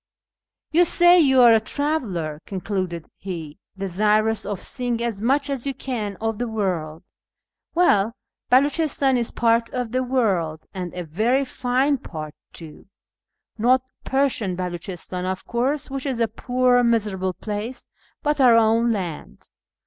" You say you are a traveller," concluded he, " desirous of seeing as much as you can of the world : well, Beluchistan is part of the world, and a very fine part too ; not Persian Beluchistan, of course, which is a poor, miserable place, but our own land."